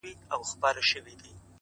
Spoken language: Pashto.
ه په سندرو کي دي مينه را ښودلې’